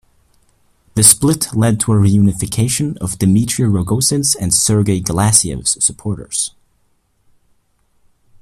The split led to a reunification of Dmitry Rogozin's and Sergey Glazyev's supporters.